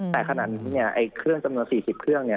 แต่ขนาดนี้เครื่องจำนวน๔๐เครื่อง